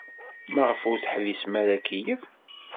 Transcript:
Maɣef ur teḥbisem ara akeyyef?